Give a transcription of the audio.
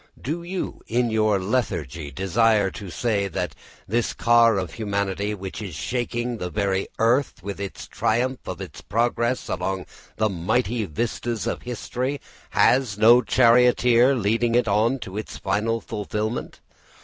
Do you in your lethargy desire to say that this car of humanity, which is shaking the very earth with the triumph of its progress along the mighty vistas of history, has no charioteer leading it on to its fulfilment?